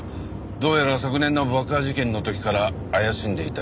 どうやら昨年の爆破事件の時から怪しんでいたようだ。